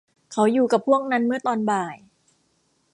เขาอยู่กับพวกนั้นเมื่อตอนบ่าย